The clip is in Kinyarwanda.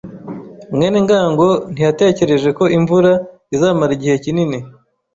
mwene ngango ntiyatekereje ko imvura izamara igihe kinini.